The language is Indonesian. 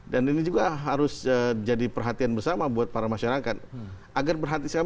dan ini juga harus jadi perhatian bersama buat para masyarakat